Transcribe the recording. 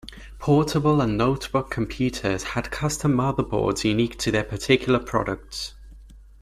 Portable and notebook computers had custom motherboards unique to their particular products.